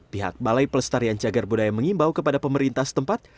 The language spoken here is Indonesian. pihak balai pelestarian cagar budaya mengimbau kepada pemerintah setempat